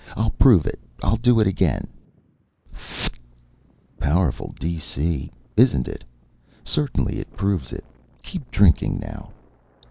"I'll prove it. I'll do it again ... f(t). Powerful DC, isn't it? Certainly it proves it. Keep drinking, now."